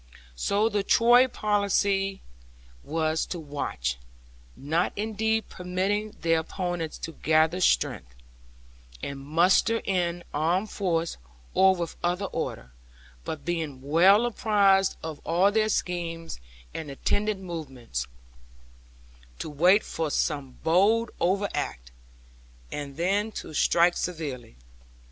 So the Tory policy was to watch, not indeed permitting their opponents to gather strength, and muster in armed force or with order, but being well apprised of all their schemes and intended movements, to wait for some bold overt act, and then to strike severely.